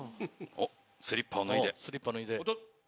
おっスリッパを脱いで。